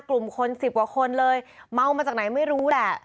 กลุ่มคนสิบกว่าคนเลยเมามาจากไหนไม่รู้แหละ